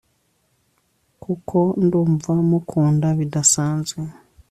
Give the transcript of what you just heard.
kuko ndumva mukunda bidasanzwe